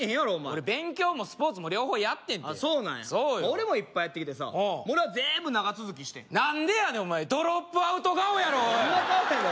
俺勉強もスポーツも両方やってんねんそうなんや俺もいっぱいやってきてさ俺は全部長続きしてん何でやねんお前ドロップアウト顔やろどんな顔やねん